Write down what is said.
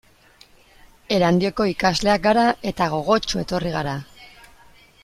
Erandioko ikasleak gara eta gogotsu etorri gara.